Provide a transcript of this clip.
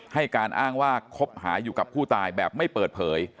ให้การอ้างว่าคบหาอยู่กับผู้ตายแบบไม่เปิดเผย